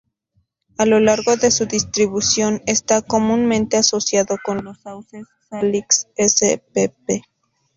A lo largo de su distribución está comúnmente asociado con los sauces Salix spp.